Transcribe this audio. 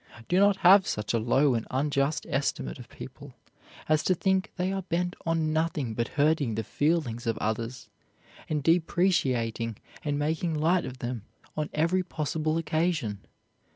Do not have such a low and unjust estimate of people as to think they are bent on nothing but hurting the feelings of others, and depreciating and making light of them on every possible occasion.